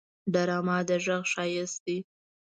ډرامه د غږ ښايست دی